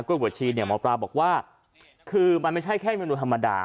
กุโลยบวชีนี่มอปลาบอกว่าคือมันไม่แค่เมนูธรรมดา